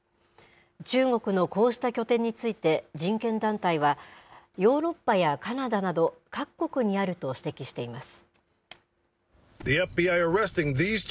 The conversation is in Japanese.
中国のこうした拠点について、人権団体は、ヨーロッパやカナダなど、各国にあると指摘しています。